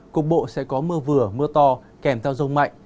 cục bộ sẽ có mưa vừa mưa to kèm theo rông mạnh